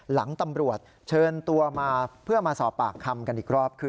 หลังตำรวจเชิญตัวมาเพื่อมาสอบปากคำกันอีกรอบคือ